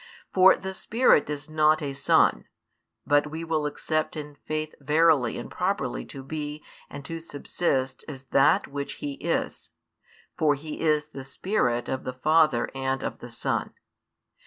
For the Spirit is not a Son, but we will accept in faith verily and properly to be and to subsist as That Which He is; for He is the Spirit of the Father and of the Son.